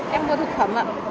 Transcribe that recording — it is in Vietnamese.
em mua thực phẩm ạ